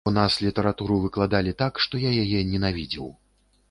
У нас літаратуру выкладалі так, што я яе ненавідзеў.